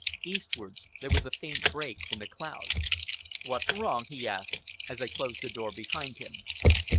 Eastwards, there was a faint break in the clouds. "What's wrong?" he asked, as I closed the door behind him.